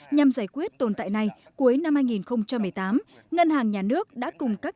nhằm giải quyết tồn tại này cuối năm hai nghìn một mươi tám ngân hàng nhà nước đã cùng các